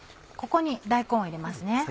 ここに大根を入れますね。